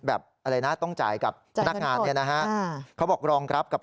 แบบอะไรนะต้องจ่ายกับพนักงานเนี่ยนะฮะเขาบอกรองรับกับ